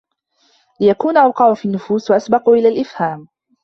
لِيَكُونَ أَوْقَعَ فِي النُّفُوسِ وَأَسْبَقَ إلَى الْأَفْهَامِ